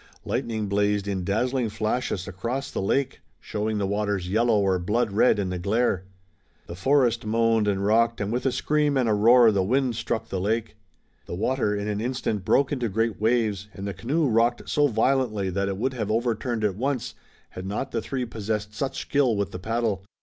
Lightning blazed in dazzling flashes across the lake, showing the waters yellow or blood red in the glare. The forest moaned and rocked, and with a scream and a roar the wind struck the lake. The water, in an instant, broke into great waves, and the canoe rocked so violently that it would have overturned at once had not the three possessed such skill with the paddle.